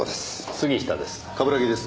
杉下です。